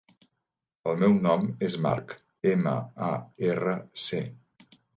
El meu nom és Marc: ema, a, erra, ce.